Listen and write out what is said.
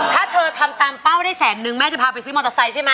ถ้าเธอทำตามเป้าได้แสนนึงแม่จะพาไปซื้อมอเตอร์ไซค์ใช่ไหม